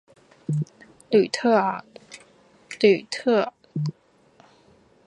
吕特克尔小时候在一个讲德语学校里学习。